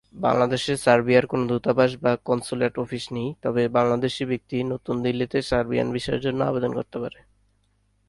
বাংলাদেশে সার্বিয়ার কোন দূতাবাস বা কনস্যুলেট অফিস নেই তবে বাংলাদেশী ব্যক্তি নতুন দিল্লিতে সার্বিয়ান ভিসার জন্য আবেদন করতে পারে।